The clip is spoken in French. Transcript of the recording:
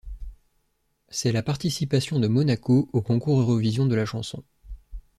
C'est la participation de Monaco au Concours Eurovision de la chanson.